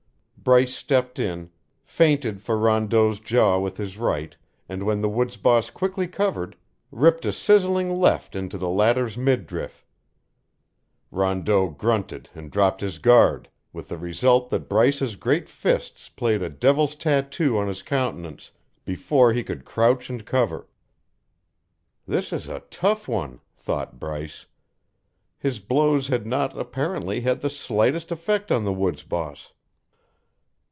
Bryce stepped in, feinted for Rondeau's jaw with his right, and when the woods boss quickly covered, ripped a sizzling left into the latter's midriff. Rondeau grunted and dropped his guard, with the result that Bryce's great fists played a devil's tattoo on his countenance before he could crouch and cover. "This is a tough one," thought Bryce. His blows had not, apparently, had the slightest effect on the woods boss.